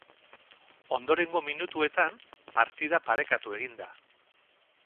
Ondorengo minutuetan partida parekatu egin da.